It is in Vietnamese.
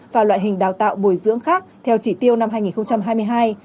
và loại hình đào tạo bồi dưỡng khác theo chỉ tiêu năm hai nghìn hai mươi hai